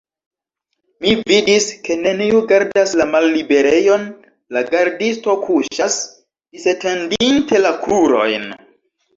Mi vidis, ke neniu gardas la malliberejon, la gardisto kuŝas, disetendinte la krurojn.